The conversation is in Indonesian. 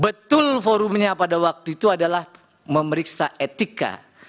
betul forumnya pada waktu itu adalah memeriksa etika